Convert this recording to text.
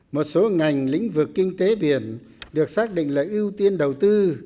một số ngành lĩnh vực kinh tế biển được xác định là ưu tiên đầu tư